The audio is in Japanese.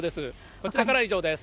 こちらからは以上です。